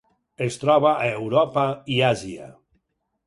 Es troba a Europa i Àsia.